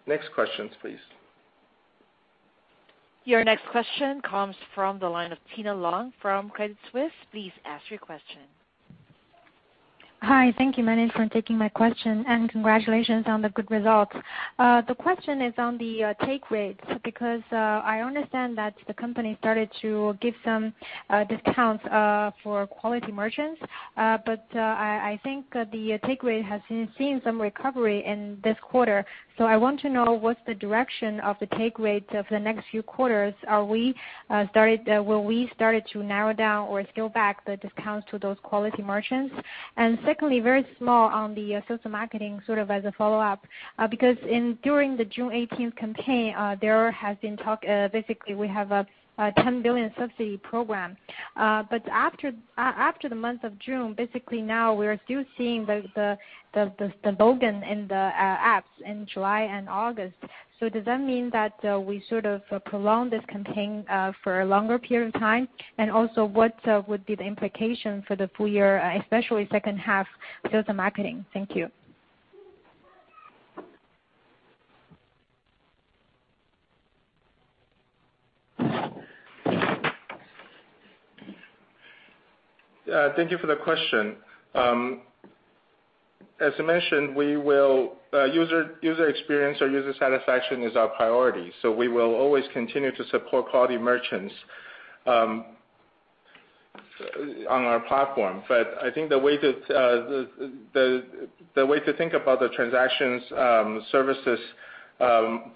Next questions, please. Your next question comes from the line of Tina Long from Credit Suisse. Please ask your question. Hi. Thank you, management, for taking my question, and congratulations on the good results. The question is on the take rates, because I understand that the company started to give some discounts for quality merchants. But I think the take rate has seen some recovery in this quarter. I want to know what's the direction of the take rates of the next few quarters. Will we started to narrow down or scale back the discounts to those quality merchants? Secondly, very small on the social marketing, sort of as a follow-up. Because in during the June 18th campaign, there has been talk, basically we have a 10 billion subsidy program. But after the month of June, basically now we are still seeing the slogan in the apps in July and August. Does that mean that we sort of prolong this campaign for a longer period of time? What would be the implication for the full year, especially second half social marketing? Thank you. Thank you for the question. As I mentioned, we will user experience or user satisfaction is our priority, so we will always continue to support quality merchants on our platform. I think the way to think about the transactions services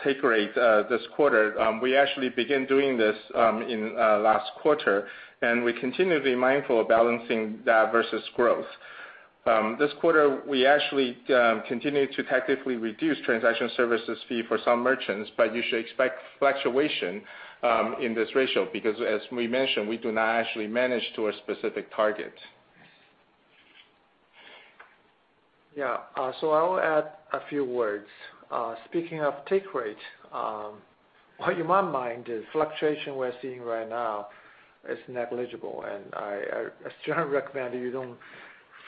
take rate this quarter, we actually began doing this in last quarter, and we continue to be mindful of balancing that versus growth. This quarter, we actually continued to technically reduce transaction services fee for some merchants, but you should expect fluctuation in this ratio because as we mentioned, we do not actually manage to a specific target. Yeah. I will add a few words. Speaking of take rate, what in my mind is fluctuation we're seeing right now is negligible, and I strongly recommend you don't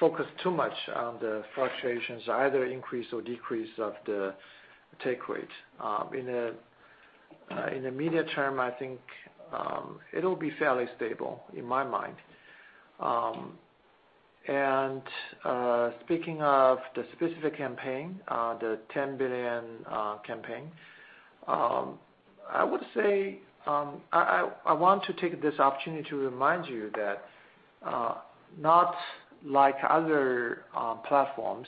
focus too much on the fluctuations, either increase or decrease of the take rate. In the in the media term, I think, it'll be fairly stable in my mind. Speaking of the specific campaign, the 10 billion campaign, I would say, I want to take this opportunity to remind you that not like other platforms,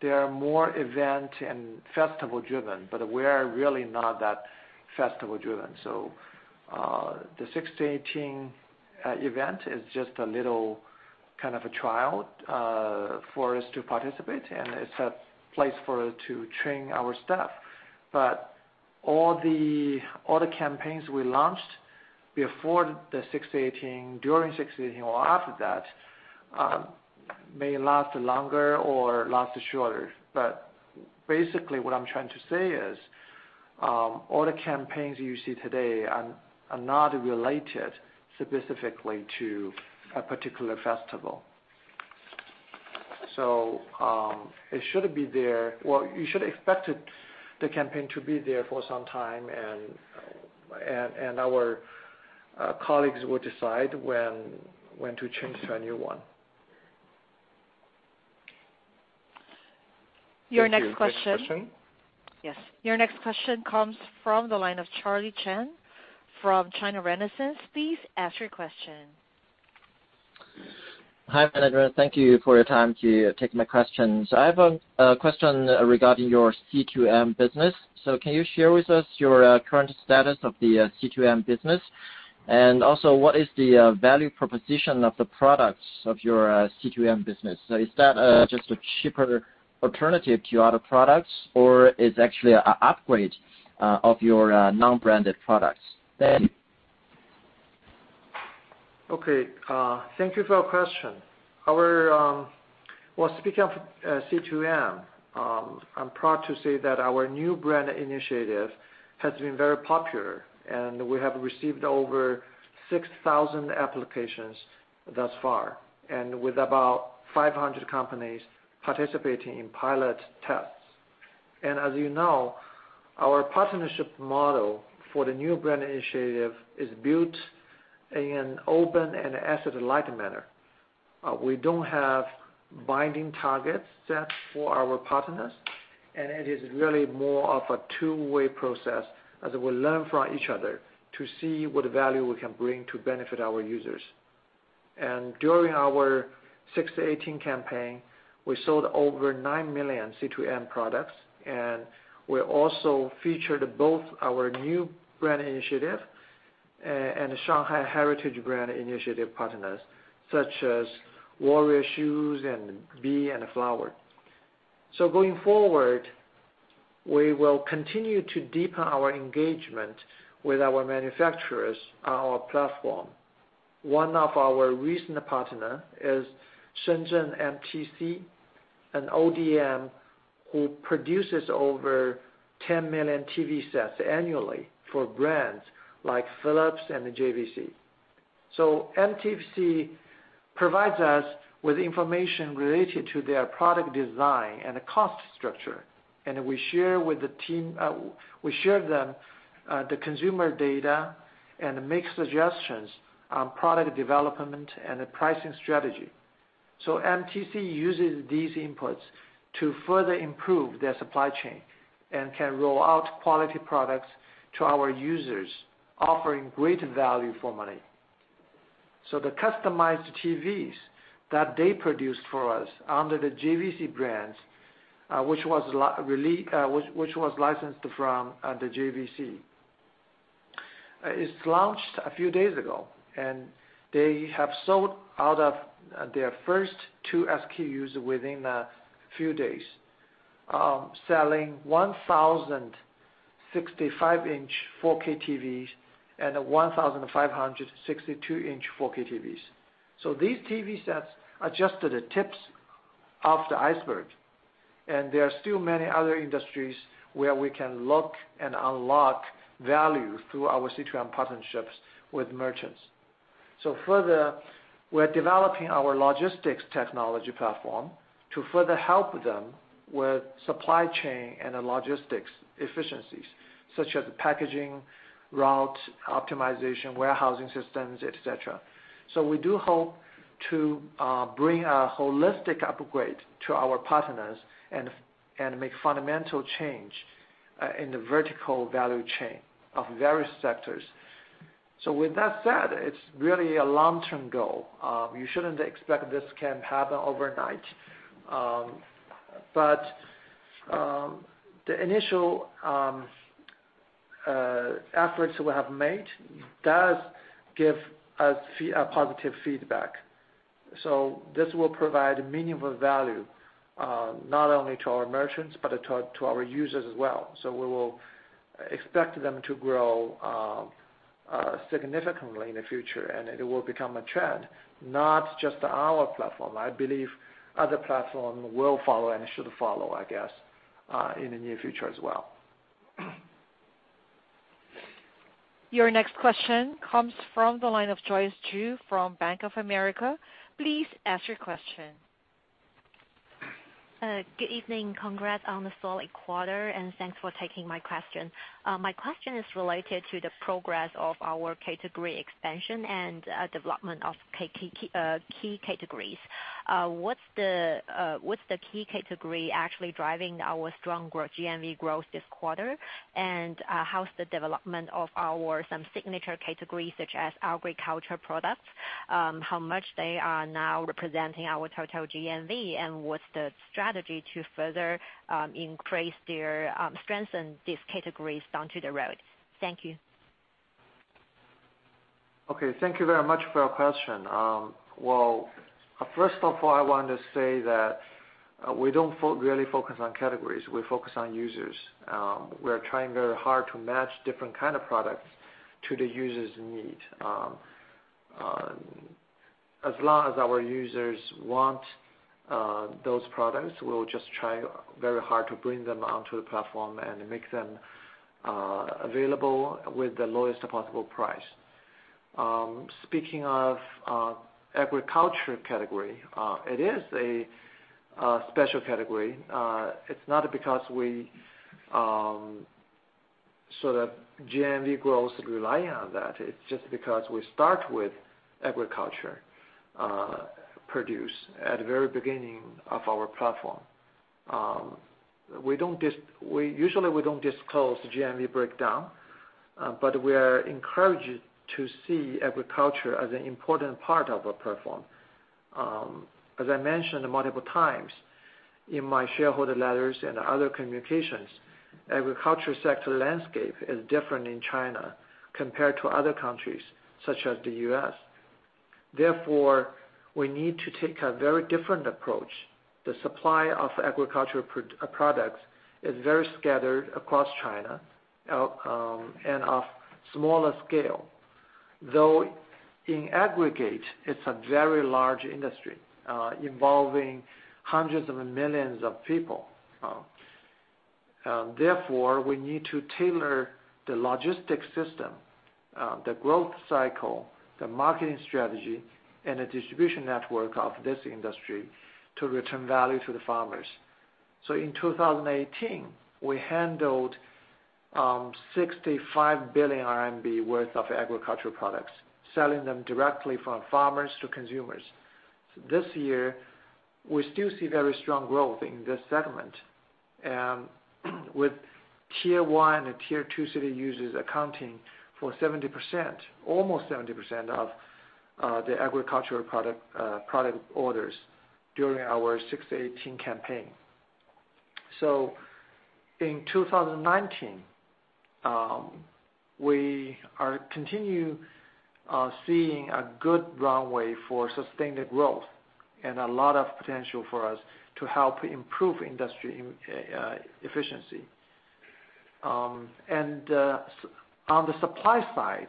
they are more event and festival-driven, but we are really not that festival-driven. The 618 event is just a little kind of a trial for us to participate, and it's a place for us to train our staffAll the other campaigns we launched before the 618, during 618 or after that, may last longer or last shorter. Basically, what I am trying to say is, all the campaigns you see today are not related specifically to a particular festival. You should expect the campaign to be there for some time and our colleagues will decide when to change to a new one. Your next question. Thank you. Next question. Yes. Your next question comes from the line of Charlie Chen from China Renaissance. Please ask your question. Hi, management. Thank you for your time to take my questions. I have a question regarding your C2M business. Can you share with us your current status of the C2M business? What is the value proposition of the products of your C2M business? Is that just a cheaper alternative to your other products, or it's actually a upgrade of your non-branded products? Okay. Thank you for your question. Speaking of C2M, I'm proud to say that our New Brand Initiative has been very popular, and we have received over 6,000 applications thus far, and with about 500 companies participating in pilot tests. As you know, our partnership model for the New Brand Initiative is built in an open and asset-light manner. We don't have binding targets set for our partners, and it is really more of a two-way process as we learn from each other to see what value we can bring to benefit our users. During our 618 campaign, we sold over nine million C2M products, and we also featured both our New Brand Initiative and Shanghai Heritage Brand Initiative partners, such as Warrior Shoes and Bee & Flower. Going forward, we will continue to deepen our engagement with our manufacturers on our platform. One of our recent partner is Shenzhen MTC, an ODM who produces over 10 million TV sets annually for brands like Philips and JVC. MTC provides us with information related to their product design and the cost structure, and we share them the consumer data and make suggestions on product development and the pricing strategy. MTC uses these inputs to further improve their supply chain and can roll out quality products to our users, offering greater value for money. The customized TVs that they produced for us under the JVC, which was licensed from the JVC, is launched a few days ago, and they have sold out of their first two SKUs within a few days, selling 1,000 65-inch 4K TVs and 1,500 62-inch 4K TVs. These TV sets are just the tips of the iceberg, and there are still many other industries where we can look and unlock value through our C2M partnerships with merchants. Further, we are developing our logistics technology platform to further help them with supply chain and the logistics efficiencies, such as the packaging, route optimization, warehousing systems, et cetera. We do hope to bring a holistic upgrade to our partners and make fundamental change in the vertical value chain of various sectors. With that said, it's really a long-term goal. You shouldn't expect this can happen overnight. The initial efforts we have made does give us a positive feedback. This will provide meaningful value not only to our merchants, but to our users as well. We will expect them to grow significantly in the future, and it will become a trend, not just our platform. I believe other platform will follow and should follow, I guess, in the near future as well. Your next question comes from the line of Joyce Ju from Bank of America. Please ask your question. Good evening. Congrats on the solid quarter. Thanks for taking my question. My question is related to the progress of our category expansion, development of key categories. What's the key category actually driving our strong growth, GMV growth this quarter? How's the development of our some signature categories, such as agriculture products, how much they are now representing our total GMV? What's the strategy to further strengthen these categories down to the road? Thank you. Thank you very much for your question. First of all, I want to say that we don't really focus on categories. We focus on users. We're trying very hard to match different kind of products to the users' need. As long as our users want those products, we'll just try very hard to bring them onto the platform and make them available with the lowest possible price. Speaking of agriculture category, it is a special category. It's not because we so that GMV growth rely on that. It's just because we start with agriculture produce at the very beginning of our platform. We don't usually we don't disclose GMV breakdown, but we are encouraged to see agriculture as an important part of our platform. As I mentioned multiple times in my shareholder letters and other communications, agriculture sector landscape is different in China compared to other countries, such as the U.S. Therefore, we need to take a very different approach. The supply of agricultural products is very scattered across China, and of smaller scale, though in aggregate, it's a very large industry, involving hundreds of millions of people. Therefore, we need to tailor the logistics system, the growth cycle, the marketing strategy, and the distribution network of this industry to return value to the farmers. In 2018, we handled 65 billion RMB worth of agricultural products, selling them directly from farmers to consumers. This year, we still see very strong growth in this segment, with Tier 1 and Tier 2 city users accounting for 70%, almost 70% of the agricultural product orders during our 618 campaign. In 2019, we are continue seeing a good runway for sustained growth and a lot of potential for us to help improve industry efficiency. On the supply side,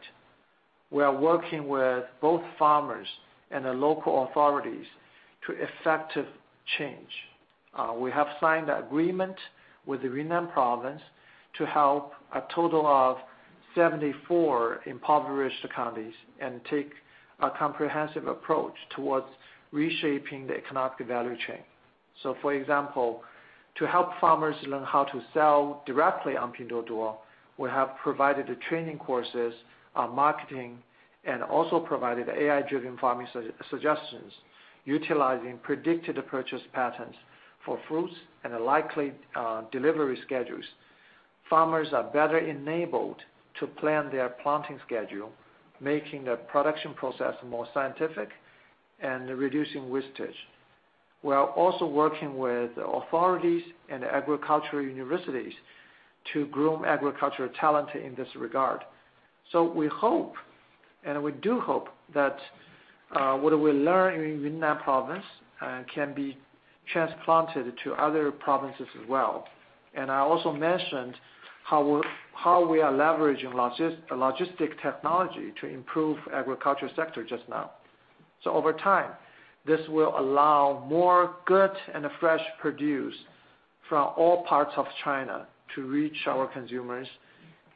we are working with both farmers and the local authorities to effective change. We have signed an agreement with the Yunnan Province to help a total of 74 impoverished counties and take a comprehensive approach towards reshaping the economic value chain. For example, to help farmers learn how to sell directly on Pinduoduo, we have provided the training courses on marketing and also provided AI-driven farming suggestions utilizing predicted purchase patterns for fruits and the likely delivery schedules. Farmers are better enabled to plan their planting schedule, making the production process more scientific and reducing wastage. We are also working with authorities and agricultural universities to groom agricultural talent in this regard. We hope, and we do hope, that what we learn in Yunnan Province can be transplanted to other provinces as well. I also mentioned how we are leveraging logistic technology to improve agriculture sector just now. Over time, this will allow more good and fresh produce from all parts of China to reach our consumers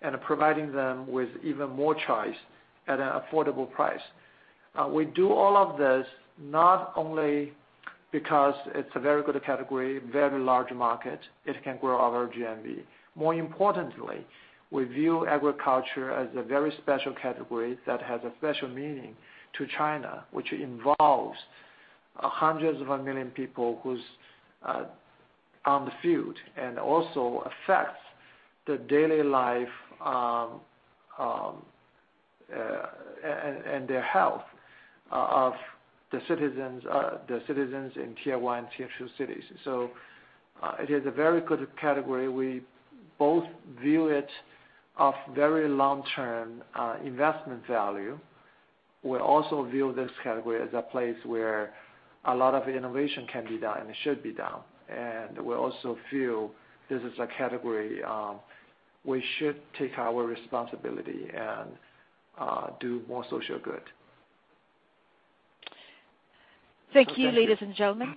and providing them with even more choice at an affordable price. We do all of this not only because it's a very good category, very large market, it can grow our GMV. More importantly, we view agriculture as a very special category that has a special meaning to China, which involves hundreds of a million people who's on the field and also affects the daily life and their health of the citizens, the citizens in Tier 1, Tier 2 cities. It is a very good category. We both view it of very long-term investment value. We also view this category as a place where a lot of innovation can be done and should be done. We also feel this is a category we should take our responsibility and do more social good. Thank you, ladies and gentlemen.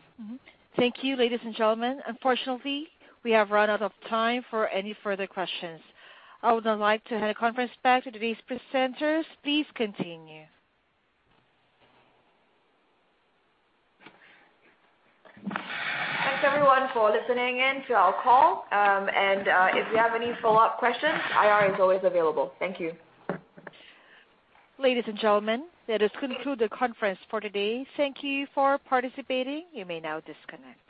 Thank you, ladies and gentlemen. Unfortunately, we have run out of time for any further questions. I would now like to hand the conference back to today's presenters. Please continue. Thanks, everyone, for listening in to our call. If you have any follow-up questions, IR is always available. Thank you. Ladies and gentlemen, that does conclude the conference for today. Thank you for participating. You may now disconnect.